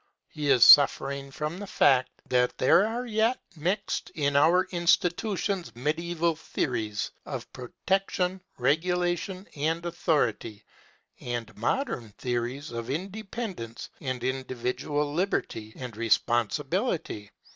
He is suffering from the fact that there are yet mixed in our institutions mediaeval theories of protection, regulation, and authority, and modern theories of independence and individual liberty and responsibility.